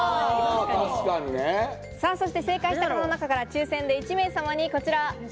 そして正解者した方の中から抽選で１名様にこちら。